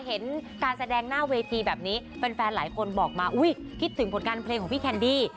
เห็นการแสดงหน้าเวทีแบบนี้แฟนหลายคนบอกมาอุ้ยคิดถึงผลงานเพลงของพี่แคนดี้